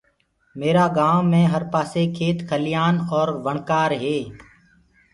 ميرآ گائونٚ مي هر پآسي کيت کليآن اور وڻڪآر هي۔